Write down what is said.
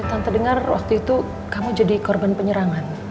tanpa dengar waktu itu kamu jadi korban penyerangan